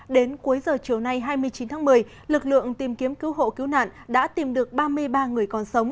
đến cuối giờ chiều nay hai mươi chín tháng một mươi lực lượng tìm kiếm cứu hộ cứu nạn đã tìm được ba mươi ba người còn sống